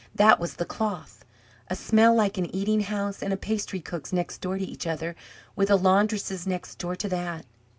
That was the cloth. A smell like an eating house and a pastry cook's next door to each other, with a laundress's next door to that!